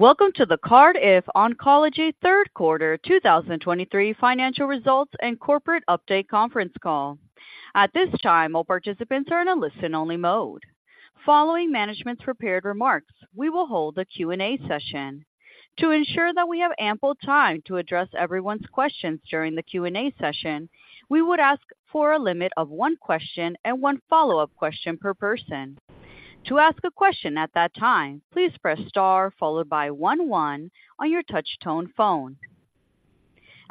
Welcome to the Cardiff Oncology Third Quarter 2023 financial results and corporate update Conference Call. At this time, all participants are in a listen-only mode. Following management's prepared remarks, we will hold a Q&A session. To ensure that we have ample time to address everyone's questions during the Q&A session, we would ask for a limit of one question and one follow-up question per person. To ask a question at that time, please press star followed by 11 on your touchtone phone.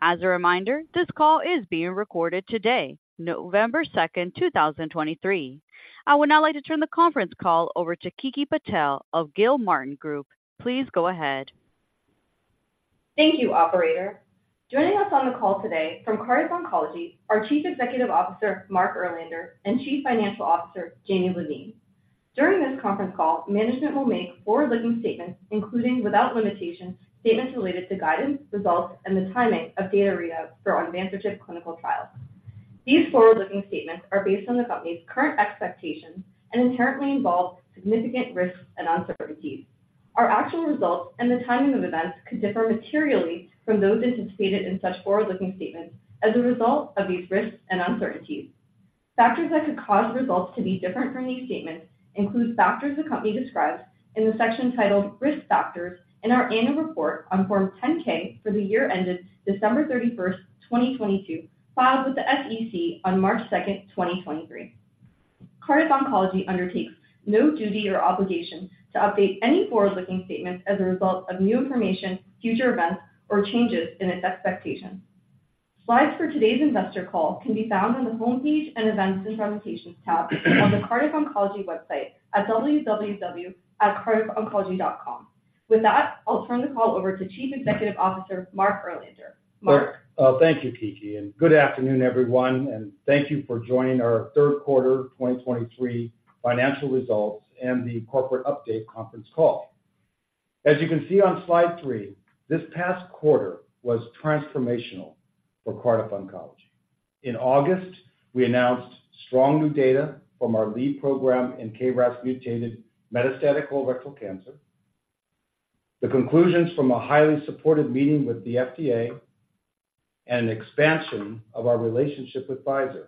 As a reminder, this call is being recorded today, November 2, 2023. I would now like to turn the conference call over to Kiki Patel of Gilmartin Group. Please go ahead. Thank you, operator. Joining us on the call today from Cardiff Oncology, our Chief Executive Officer, Mark Erlander, and Chief Financial Officer, James Levine. During this conference call, management will make forward-looking statements, including without limitation, statements related to guidance, results, and the timing of data readouts for onvansertib clinical trials. These forward-looking statements are based on the company's current expectations and inherently involve significant risks and uncertainties. Our actual results and the timing of events could differ materially from those anticipated in such forward-looking statements as a result of these risks and uncertainties. Factors that could cause results to be different from these statements include factors the company describes in the section titled "Risk Factors" in our annual report on Form 10-K for the year ended December 31, 2022, filed with the SEC on March 2, 2023. Cardiff Oncology undertakes no duty or obligation to update any forward-looking statements as a result of new information, future events, or changes in its expectations. Slides for today's investor call can be found on the Homepage and Events and Presentations tab on the Cardiff Oncology website at www.cardiffoncology.com. With that, I'll turn the call over to Chief Executive Officer, Mark Erlander. Mark? Thank you, Kiki, and good afternoon, everyone, and thank you for joining our third quarter 2023 financial results and the corporate update conference call. As you can see on slide three, this past quarter was transformational for Cardiff Oncology. In August, we announced strong new data from our lead program in KRAS mutated metastatic colorectal cancer, the conclusions from a highly supported meeting with the FDA, and an expansion of our relationship with Pfizer.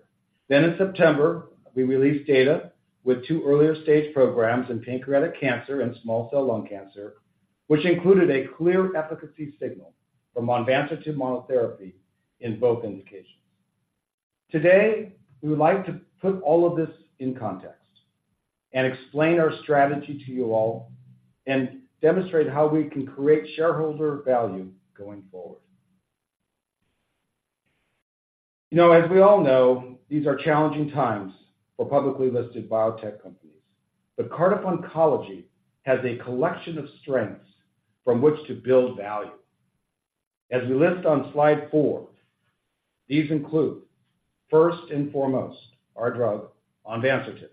Then in September, we released data with two earlier-stage programs in pancreatic cancer and small cell lung cancer, which included a clear efficacy signal for onvansertib monotherapy in both indications. Today, we would like to put all of this in context and explain our strategy to you all and demonstrate how we can create shareholder value going forward. You know, as we all know, these are challenging times for publicly listed biotech companies, but Cardiff Oncology has a collection of strengths from which to build value. As we list on slide four, these include, first and foremost, our drug, onvansertib,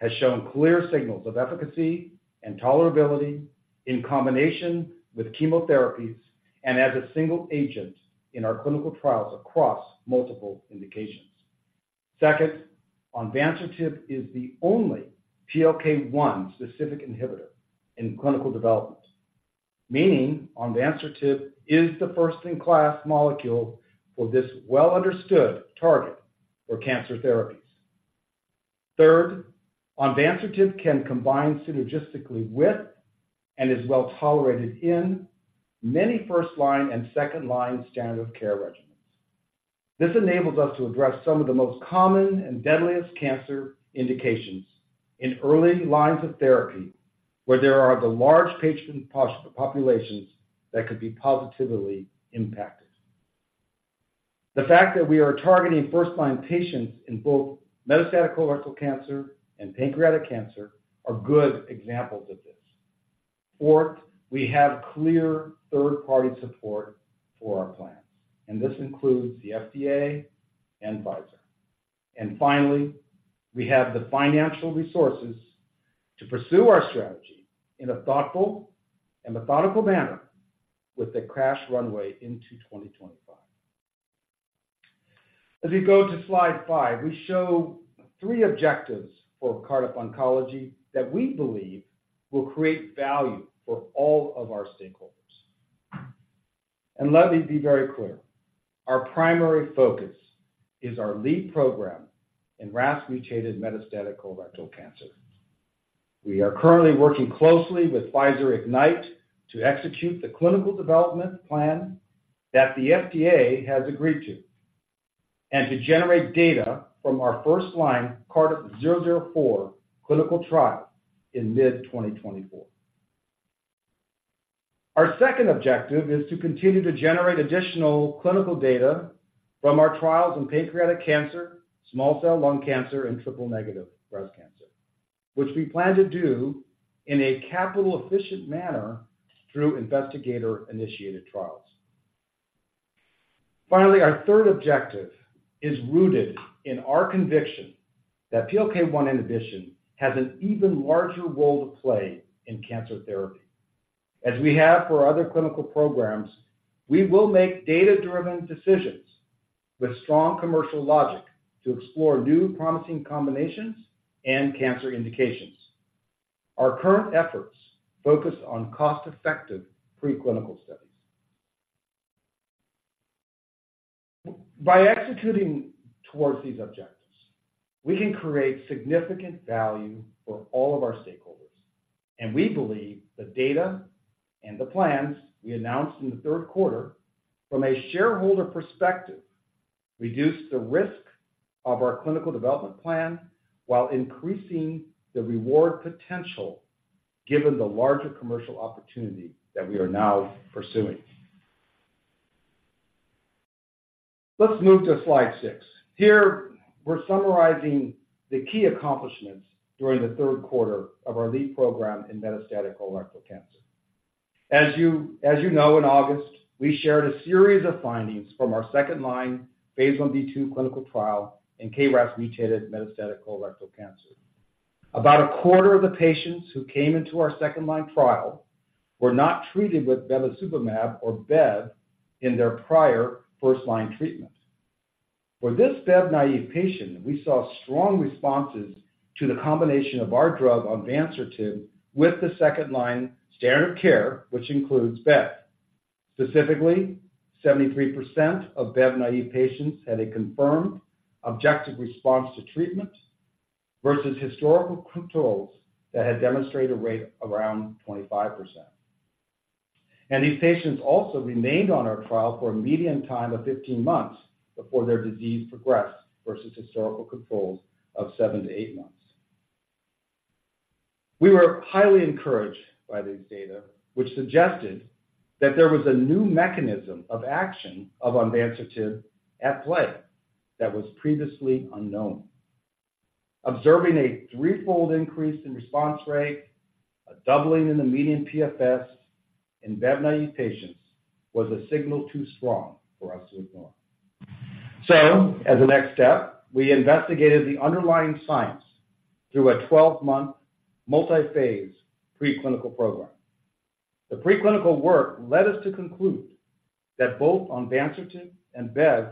has shown clear signals of efficacy and tolerability in combination with chemotherapies and as a single agent in our clinical trials across multiple indications. Second, onvansertib is the only PLK1 specific inhibitor in clinical development, meaning onvansertib is the first-in-class molecule for this well-understood target for cancer therapies. Third, onvansertib can combine synergistically with, and is well tolerated in, many first-line and second-line standard of care regimens. This enables us to address some of the most common and deadliest cancer indications in early lines of therapy, where there are the large patient populations that could be positively impacted. The fact that we are targeting first-line patients in both metastatic colorectal cancer and pancreatic cancer are good examples of this. Fourth, we have clear third-party support for our plans, and this includes the FDA and Pfizer. Finally, we have the financial resources to pursue our strategy in a thoughtful and methodical manner with a cash runway into 2025. As we go to slide five, we show three objectives for Cardiff Oncology that we believe will create value for all of our stakeholders. Let me be very clear, our primary focus is our lead program in RAS-mutated metastatic colorectal cancer. We are currently working closely with Pfizer Ignite to execute the clinical development plan that the FDA has agreed to, and to generate data from our first-line Cardiff 004 clinical trial in mid-2024. Our second objective is to continue to generate additional clinical data from our trials in pancreatic cancer, small cell lung cancer, and triple-negative breast cancer, which we plan to do in a capital-efficient manner through investigator-initiated trials. Finally, our third objective is rooted in our conviction that PLK-1 inhibition has an even larger role to play in cancer therapy. As we have for other clinical programs, we will make data-driven decisions... with strong commercial logic to explore new promising combinations and cancer indications. Our current efforts focus on cost-effective preclinical studies. By executing towards these objectives, we can create significant value for all of our stakeholders, and we believe the data and the plans we announced in the third quarter, from a shareholder perspective, reduce the risk of our clinical development plan while increasing the reward potential, given the larger commercial opportunity that we are now pursuing. Let's move to slide six. Here, we're summarizing the key accomplishments during the third quarter of our lead program in metastatic colorectal cancer. As you know, in August, we shared a series of findings from our second-line phase I-B/II clinical trial in KRAS-mutated metastatic colorectal cancer. About a quarter of the patients who came into our second-line trial were not treated with bevacizumab or bev in their prior first-line treatment. For this bev-naive patient, we saw strong responses to the combination of our drug onvansertib with the second-line standard of care, which includes bev. Specifically, 73% of bev-naive patients had a confirmed objective response to treatment versus historical controls that had demonstrated a rate around 25%. These patients also remained on our trial for a median time of 15 months before their disease progressed, versus historical controls of seven-eight months. We were highly encouraged by these data, which suggested that there was a new mechanism of action of onvansertib at play that was previously unknown. Observing a threefold increase in response rate, a doubling in the median PFS in bev-naive patients, was a signal too strong for us to ignore. So as a next step, we investigated the underlying science through a 12-month, multi-phase preclinical program. The preclinical work led us to conclude that both onvansertib and bev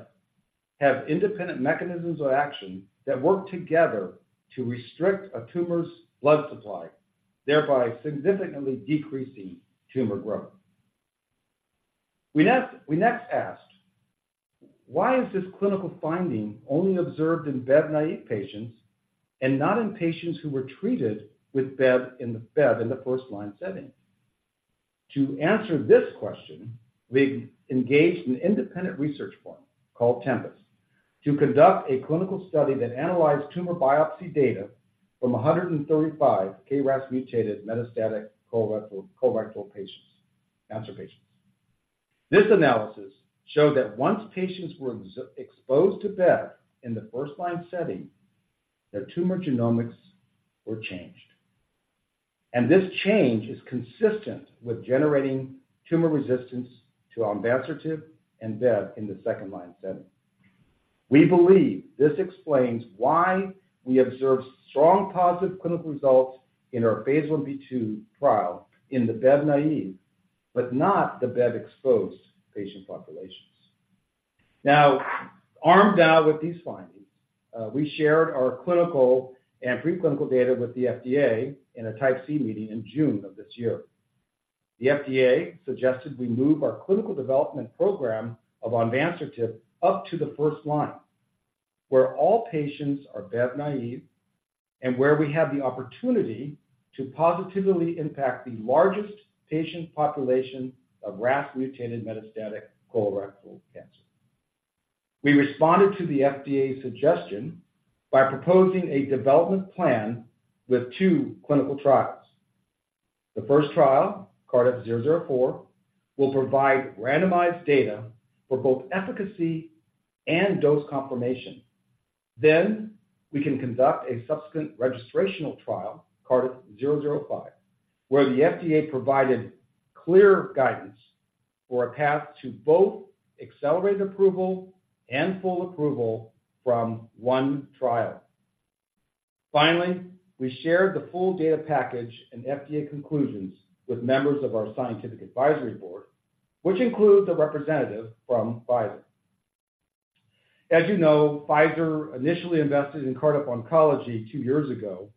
have independent mechanisms of action that work together to restrict a tumor's blood supply, thereby significantly decreasing tumor growth. We next asked, "Why is this clinical finding only observed in bev-naive patients and not in patients who were treated with bev in the bev in the first-line setting?" To answer this question, we engaged an independent research firm called Tempus to conduct a clinical study that analyzed tumor biopsy data from 135 KRAS-mutated metastatic colorectal cancer patients. This analysis showed that once patients were exposed to bev in the first-line setting, their tumor genomics were changed, and this change is consistent with generating tumor resistance to onvansertib and bev in the second-line setting. We believe this explains why we observed strong positive clinical results in our phase I-B/II trial in the bev-naive, but not the bev-exposed patient populations. Now, armed with these findings, we shared our clinical and preclinical data with the FDA in a Type C meeting in June of this year. The FDA suggested we move our clinical development program of onvansertib up to the first line, where all patients are bev-naive and where we have the opportunity to positively impact the largest patient population of RAS-mutated metastatic colorectal cancer. We responded to the FDA's suggestion by proposing a development plan with two clinical trials. The first trial, CRDF-004, will provide randomized data for both efficacy and dose confirmation. Then we can conduct a subsequent registrational trial, CRDF-005, where the FDA provided clear guidance for a path to both accelerated approval and full approval from one trial. Finally, we shared the full data package and FDA conclusions with members of our scientific advisory board, which includes a representative from Pfizer. As you know, Pfizer initially invested in Cardiff Oncology two years ago.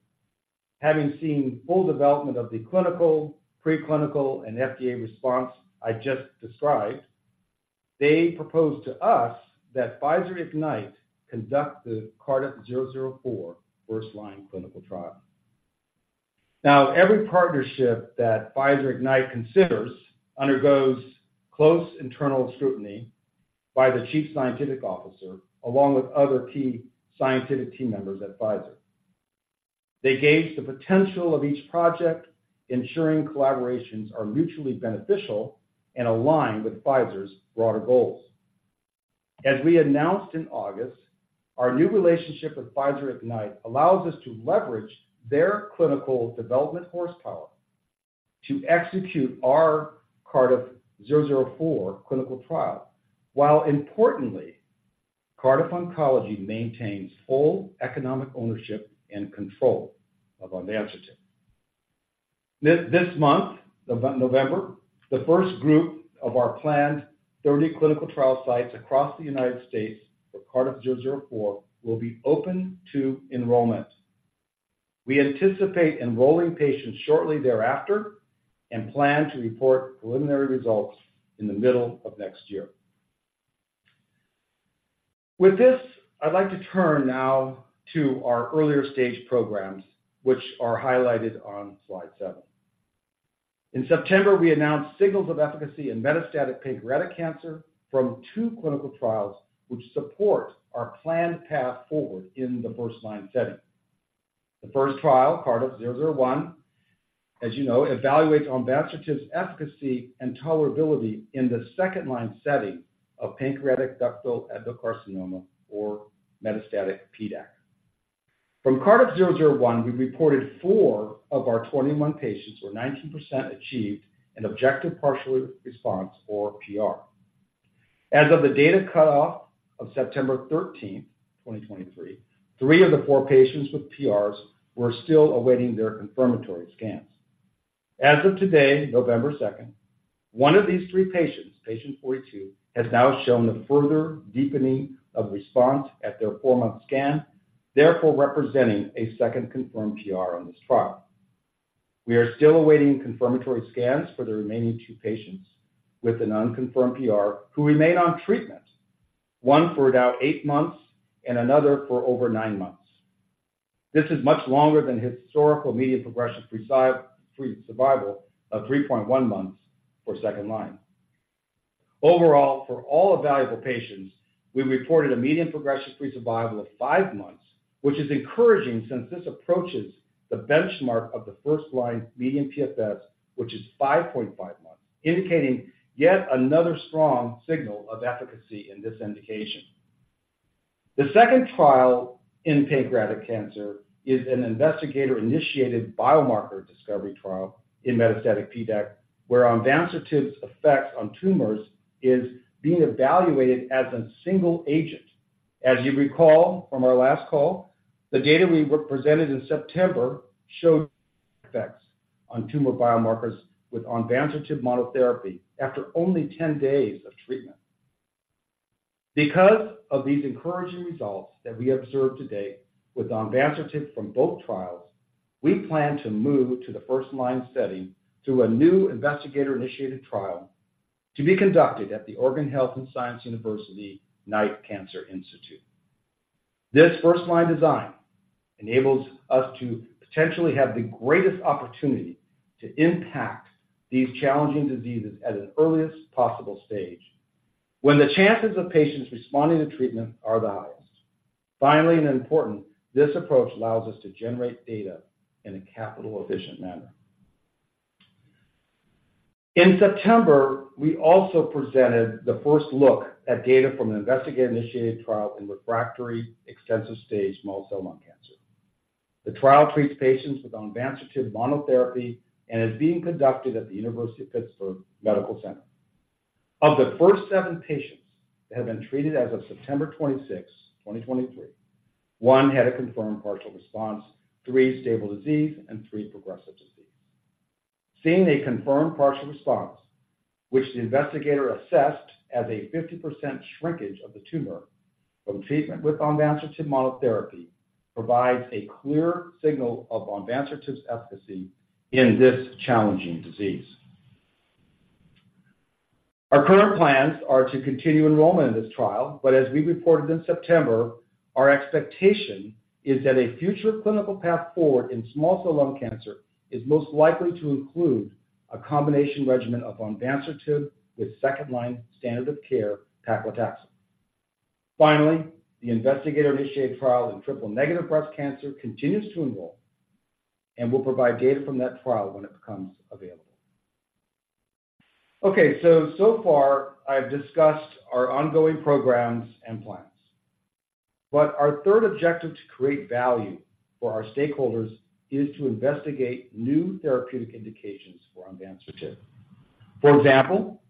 Having seen full development of the clinical, preclinical, and FDA response I just described, they proposed to us that Pfizer Ignite conduct the CRDF-004 first-line clinical trial. Now, every partnership that Pfizer Ignite considers undergoes close internal scrutiny by the Chief Scientific Officer, along with other key scientific team members at Pfizer. They gauge the potential of each project, ensuring collaborations are mutually beneficial and align with Pfizer's broader goals. As we announced in August, our new relationship with Pfizer Ignite allows us to leverage their clinical development horsepower to execute our CRDF-004 clinical trial, while importantly, Cardiff Oncology maintains full economic ownership and control of onvansertib. This month, November, the first group of our planned 30 clinical trial sites across the United States for CRDF-004 will be open to enrollment. We anticipate enrolling patients shortly thereafter and plan to report preliminary results in the middle of next year. With this, I'd like to turn now to our earlier stage programs, which are highlighted on slide seven. In September, we announced signals of efficacy in metastatic pancreatic cancer from two clinical trials, which support our planned path forward in the first-line setting. The first trial, CRDF-001, as you know, evaluates onvansertib's efficacy and tolerability in the second-line setting of pancreatic ductal adenocarcinoma or metastatic PDAC. From CRDF-001, we reported four of our 21 patients, or 19%, achieved an objective partial response or PR. As of the data cutoff of September 13, 2023, three of the four patients with PRs were still awaiting their confirmatory scans. As of today, November 2, one of these three patients, patient 42, has now shown a further deepening of response at their four-month scan, therefore representing a second confirmed PR on this trial. We are still awaiting confirmatory scans for the remaining two patients with an unconfirmed PR who remain on treatment, one for now eight months and another for over nine months. This is much longer than historical median progression-free survival of 3.1 months for second-line. Overall, for all evaluable patients, we reported a median progression-free survival of five months, which is encouraging since this approaches the benchmark of the first-line median PFS, which is 5.5 months, indicating yet another strong signal of efficacy in this indication. The second trial in pancreatic cancer is an investigator-initiated biomarker discovery trial in metastatic PDAC, where onvansertib's effect on tumors is being evaluated as a single agent. As you recall from our last call, the data we presented in September showed effects on tumor biomarkers with onvansertib monotherapy after only 10 days of treatment. Because of these encouraging results that we observed to date with onvansertib from both trials, we plan to move to the first-line setting through a new investigator-initiated trial to be conducted at the Oregon Health & Science University Knight Cancer Institute. This first-line design enables us to potentially have the greatest opportunity to impact these challenging diseases at an earliest possible stage, when the chances of patients responding to treatment are the highest. Finally, and important, this approach allows us to generate data in a capital-efficient manner. In September, we also presented the first look at data from an investigator-initiated trial in refractory extensive-stage small cell lung cancer. The trial treats patients with onvansertib monotherapy and is being conducted at the University of Pittsburgh Medical Center. Of the first seven patients that have been treated as of September 26, 2023, one had a confirmed partial response, three stable disease, and three progressive disease. Seeing a confirmed partial response, which the investigator assessed as a 50% shrinkage of the tumor from treatment with onvansertib monotherapy, provides a clear signal of onvansertib's efficacy in this challenging disease. Our current plans are to continue enrollment in this trial, but as we reported in September, our expectation is that a future clinical path forward in small cell lung cancer is most likely to include a combination regimen of onvansertib with second-line standard of care paclitaxel. Finally, the investigator-initiated trial in triple-negative breast cancer continues to enroll, and we'll provide data from that trial when it becomes available. Okay, so, so far I've discussed our ongoing programs and plans, but our third objective to create value for our stakeholders is to investigate new therapeutic indications for onvansertib. For example,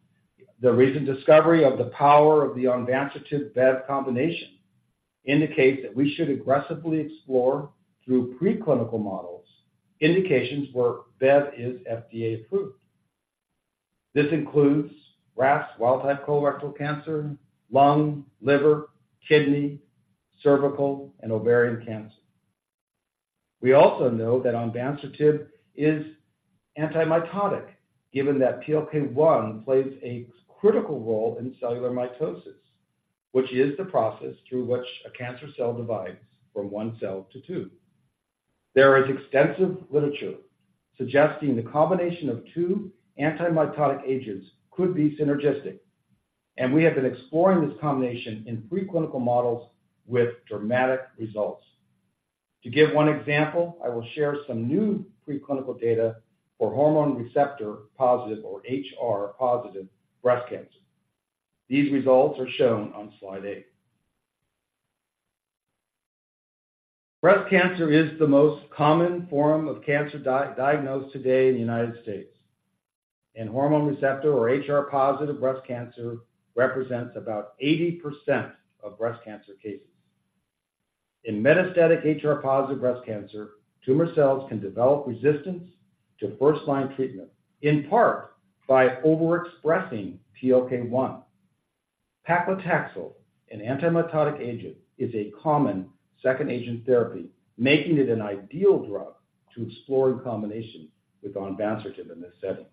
the recent discovery of the power of the onvansertib bev combination indicates that we should aggressively explore, through preclinical models, indications where bev is FDA approved. This includes RAS wild-type colorectal cancer, lung, liver, kidney, cervical, and ovarian cancer. We also know that onvansertib is antimitotic, given that PLK1 plays a critical role in cellular mitosis, which is the process through which a cancer cell divides from one cell to two. There is extensive literature suggesting the combination of two antimitotic agents could be synergistic, and we have been exploring this combination in preclinical models with dramatic results. To give one example, I will share some new preclinical data for hormone receptor-positive, or HR-positive, breast cancer. These results are shown on slide eight. Breast cancer is the most common form of cancer diagnosed today in the United States, and hormone receptor, or HR-positive, breast cancer represents about 80% of breast cancer cases. In metastatic HR-positive breast cancer, tumor cells can develop resistance to first-line treatment, in part by overexpressing PLK1. Paclitaxel, an antimitotic agent, is a common second-agent therapy, making it an ideal drug to explore in combination with onvansertib in this setting.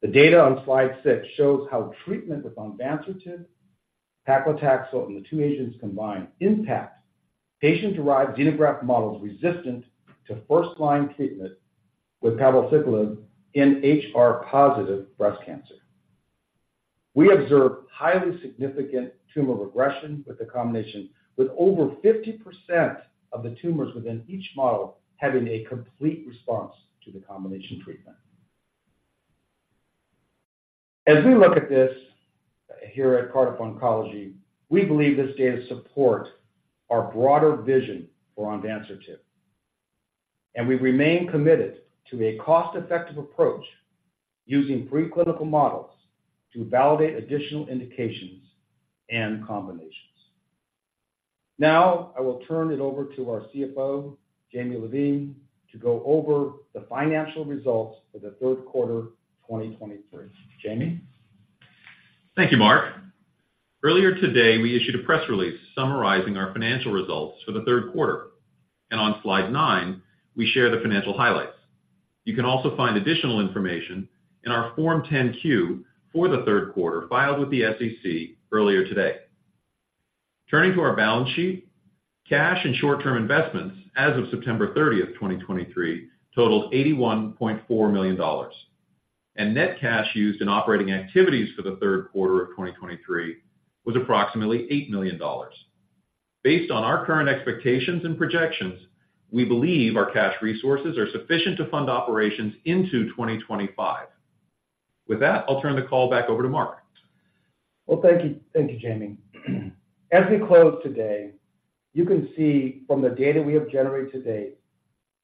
The data on slide six shows how treatment with onvansertib, paclitaxel, and the two agents combined impact patient-derived xenograft models resistant to first-line treatment with palbociclib in HR-positive breast cancer. We observed highly significant tumor regression with the combination, with over 50% of the tumors within each model having a complete response to the combination treatment. As we look at this here at Cardiff Oncology, we believe this data support our broader vision for onvansertib, and we remain committed to a cost-effective approach using preclinical models to validate additional indications and combinations. Now, I will turn it over to our CFO, James Levine, to go over the financial results for the third quarter, 2023. James? Thank you, Mark. Earlier today, we issued a press release summarizing our financial results for the third quarter, and on slide nine, we share the financial highlights. You can also find additional information in our Form 10-Q for the third quarter, filed with the SEC earlier today. Turning to our balance sheet, cash and short-term investments as of September 30, 2023, totaled $81.4 million, and net cash used in operating activities for the third quarter of 2023 was approximately $8 million. Based on our current expectations and projections, we believe our cash resources are sufficient to fund operations into 2025. With that, I'll turn the call back over to Mark. Well, thank you. Thank you, Jamie. As we close today, you can see from the data we have generated to date,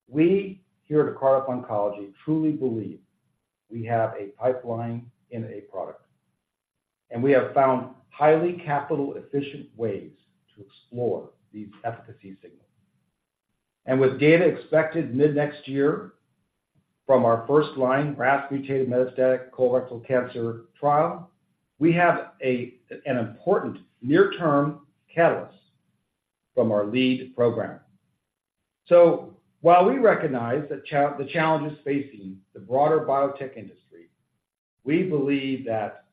we here at Cardiff Oncology truly believe we have a pipeline and a product, and we have found highly capital-efficient ways to explore these efficacy signals. And with data expected mid-next year from our first-line RAS-mutated metastatic colorectal cancer trial, we have an important near-term catalyst from our lead program. So while we recognize the challenges facing the broader biotech industry, we believe that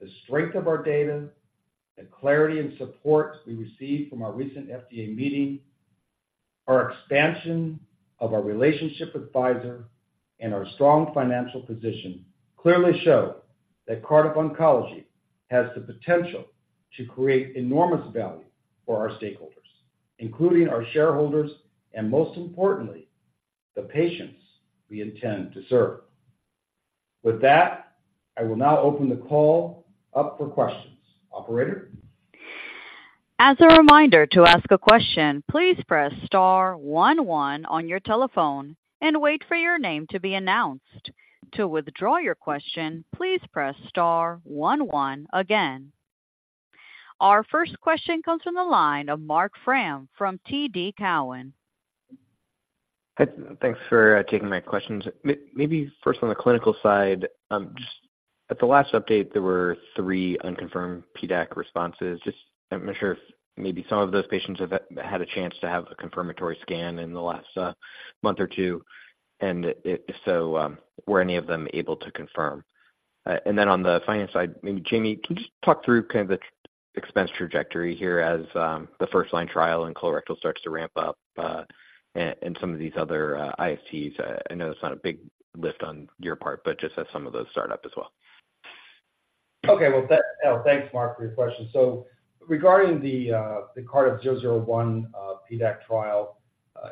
the strength of our data, the clarity and support we received from our recent FDA meeting, our expansion of our relationship with Pfizer, and our strong financial position, clearly show that Cardiff Oncology has the potential to create enormous value for our stakeholders, including our shareholders, and most importantly, the patients we intend to serve. With that, I will now open the call up for questions. Operator? As a reminder, to ask a question, please press star one one on your telephone and wait for your name to be announced. To withdraw your question, please press star one one again. Our first question comes from the line of Marc Frahm from TD Cowen. Thanks for taking my questions. Maybe first on the clinical side, just at the last update, there were three unconfirmed PDAC responses. Just I'm not sure if maybe some of those patients have had a chance to have a confirmatory scan in the last month or two, and if, if so, were any of them able to confirm? And then on the finance side, maybe Jamie, can you just talk through kind of the expense trajectory here as the first-line trial and colorectal starts to ramp up, and some of these other ICTs? I know that's not a big lift on your part, but just as some of those start up as well. Okay. Well, thanks, Marc, for your question. So regarding the CRDF-001 PDAC trial,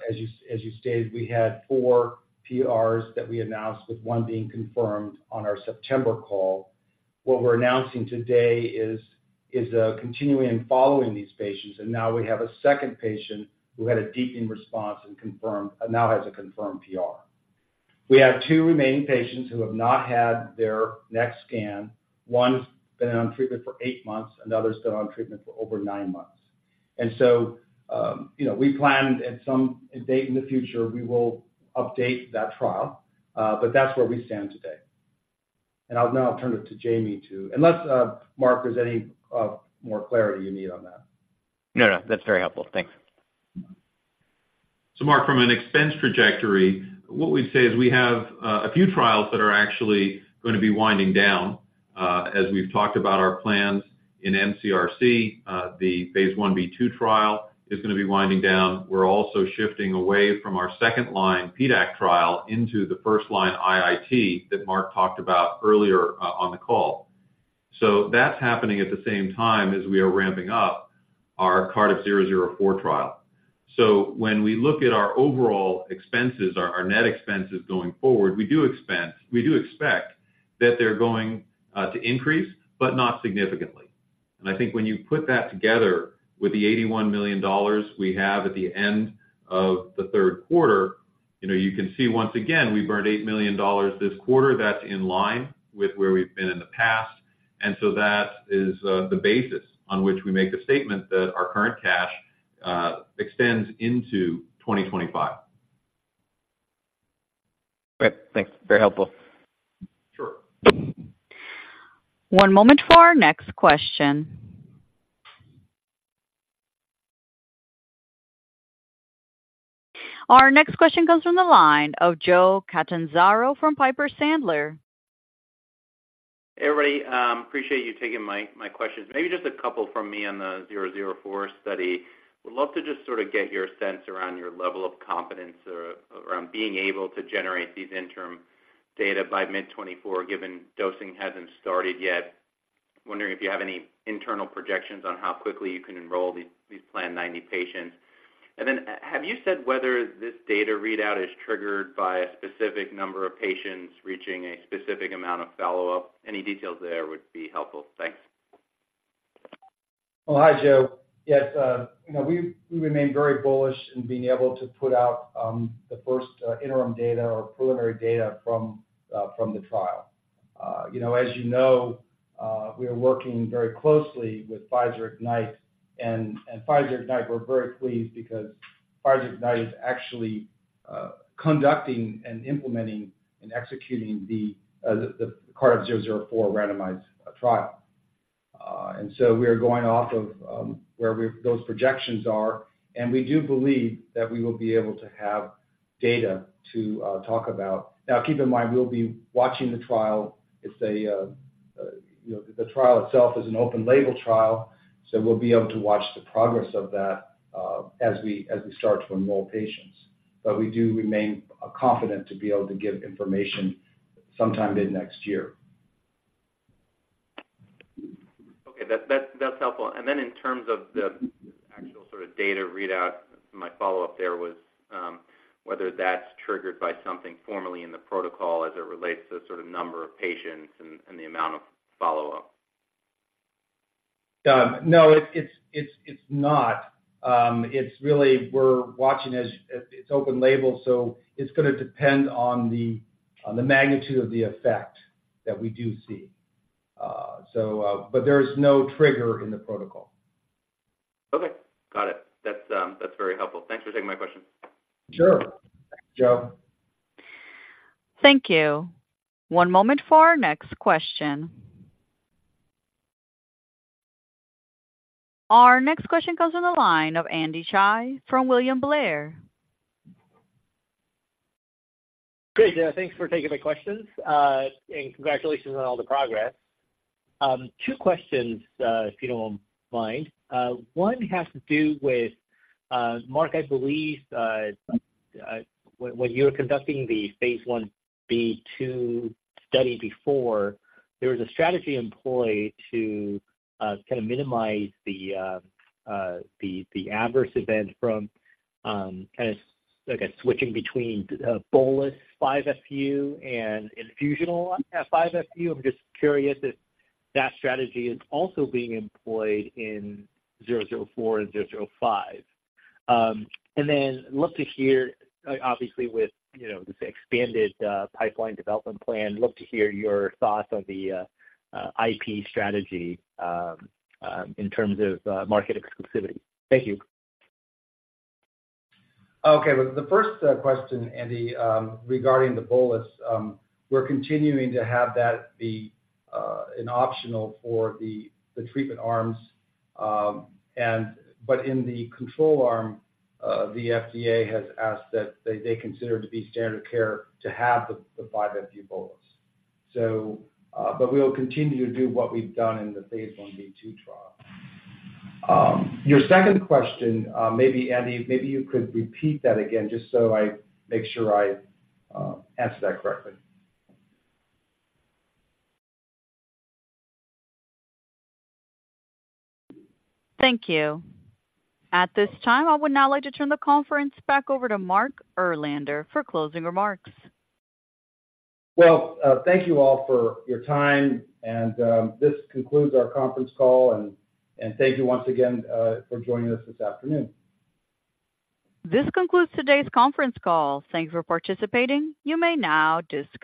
as you stated, we had four PRs that we announced, with one being confirmed on our September call. What we're announcing today is continuing and following these patients, and now we have a second patient who had a deepening response and confirmed now has a confirmed PR. We have two remaining patients who have not had their next scan. One's been on treatment for eight months, another's been on treatment for over nine months. And so, you know, we plan at some date in the future, we will update that trial, but that's where we stand today. And I'll now turn it to Jamie to... Unless, Marc, there's any more clarity you need on that. No, no, that's very helpful. Thanks. So, Marc, from an expense trajectory, what we'd say is we have a few trials that are actually going to be winding down. As we've talked about our plans in MCRC, the phase I-B/II trial is going to be winding down. We're also shifting away from our second-line PDAC trial into the first-line IIT that Marc talked about earlier on the call. So that's happening at the same time as we are ramping up our CRDF-004 trial. So when we look at our overall expenses, our net expenses going forward, we do expect that they're going to increase, but not significantly. And I think when you put that together with the $81 million we have at the end of the third quarter-... You know, you can see once again, we burned $8 million this quarter. That's in line with where we've been in the past, and so that is the basis on which we make the statement that our current cash extends into 2025. Great, thanks. Very helpful. Sure. One moment for our next question. Our next question comes from the line of Joe Catanzaro from Piper Sandler. Hey, everybody, appreciate you taking my questions. Maybe just a couple from me on the 004 study. Would love to just sort of get your sense around your level of confidence or around being able to generate these interim data by mid-2024, given dosing hasn't started yet. I'm wondering if you have any internal projections on how quickly you can enroll these planned 90 patients. And then, have you said whether this data readout is triggered by a specific number of patients reaching a specific amount of follow-up? Any details there would be helpful. Thanks. Well, hi, Joe. Yes, you know, we remain very bullish in being able to put out the first interim data or preliminary data from the trial. You know, as you know, we are working very closely with Pfizer Ignite, and Pfizer Ignite, we're very pleased because Pfizer Ignite is actually conducting and implementing and executing the Cardiff 004 randomized trial. We are going off of where those projections are, and we do believe that we will be able to have data to talk about. Now, keep in mind, we'll be watching the trial. It's a, you know, the trial itself is an open label trial, so we'll be able to watch the progress of that as we start to enroll patients. We do remain confident to be able to give information sometime mid-next year. Okay, that's helpful. And then in terms of the actual sort of data readout, my follow-up there was whether that's triggered by something formally in the protocol as it relates to sort of number of patients and the amount of follow-up. No, it's not. It's really we're watching as it's open label, so it's gonna depend on the magnitude of the effect that we do see. So, but there is no trigger in the protocol. Okay, got it. That's, that's very helpful. Thanks for taking my question. Sure. Thanks, Joe. Thank you. One moment for our next question. Our next question comes on the line of Andy Hsieh from William Blair. Great, yeah, thanks for taking my questions, and congratulations on all the progress. Two questions, if you don't mind. One has to do with, Mark, I believe, when you were conducting the phase I-B/2 study before, there was a strategy employed to kind of minimize the adverse event from kind of like a switching between bolus 5-FU and infusional 5-FU. I'm just curious if that strategy is also being employed in 004 and 005. And then love to hear, obviously with, you know, this expanded pipeline development plan, love to hear your thoughts on the IP strategy in terms of market exclusivity. Thank you. Okay, well, the first question, Andy, regarding the bolus, we're continuing to have that be an optional for the treatment arms. And but in the control arm, the FDA has asked that they consider to be standard care to have the 5-FU bolus. So, but we'll continue to do what we've done in the phase I-B/2 trial. Your second question, maybe Andy, maybe you could repeat that again, just so I make sure I answer that correctly. Thank you. At this time, I would now like to turn the conference back over to Mark Erlander for closing remarks. Well, thank you all for your time, and, this concludes our conference call. And, thank you once again, for joining us this afternoon. This concludes today's conference call. Thank you for participating. You may now disconnect.